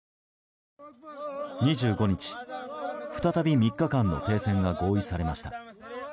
２５日、再び３日間の停戦が合意されました。